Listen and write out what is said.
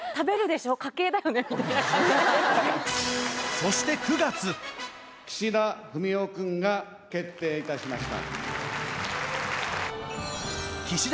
そして・岸田文雄くんが決定いたしました・